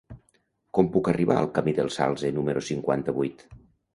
Com puc arribar al camí del Salze número cinquanta-vuit?